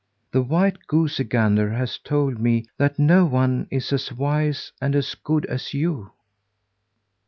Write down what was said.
The white goosey gander has told me that no one is as wise and as good as you."